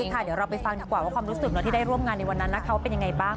เดี๋ยวเราไปฟังดีกว่าว่าความรู้สึกเราที่ได้ร่วมงานในวันนั้นเขาเป็นยังไงบ้าง